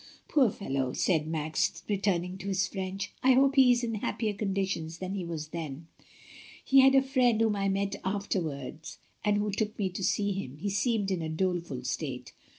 Poor fellow," said Max, returning to his French, "I hope he is in happier conditions than he was then — he had a friend whom I met afterwards and who took me to see him. He seemed in a doleful state."